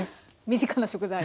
身近な食材。